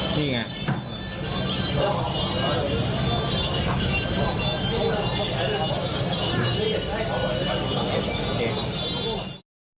นี่ไง